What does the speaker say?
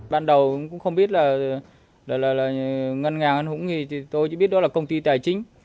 ban đầu cũng không biết là đó là ngân hàng ngân hũng thì tôi chỉ biết đó là công ty tài chính